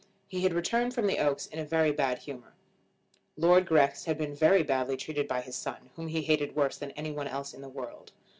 He had returned from the Oaks in a very bad humour. Lord Grex had been very badly treated by his son, whom he hated worse than any one else in the world.